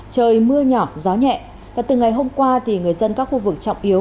trời mưa nhỏ gió nhẹ và từ ngày hôm qua thì người dân các khu vực trọng yếu